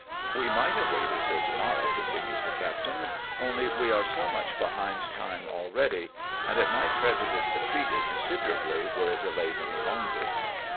" We might have waited till to morrow," continues the captain, " only we are so much behind time already, and it might prejudice the treaty considerably, were it delayed any longer."